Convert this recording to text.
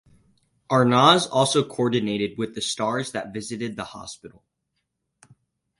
Arnaz also coordinated with the stars that visited the hospital.